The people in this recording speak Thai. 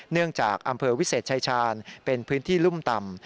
เนื่องจากอำเภอวิเศษชายชาญเป็นพื้นที่รุ่มต่ำ